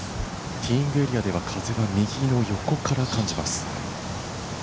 ティーイングエリアでは風が右の横から感じます。